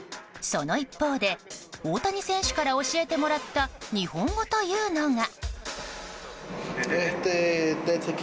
その一方で大谷選手から教えてもらった日本語というのが。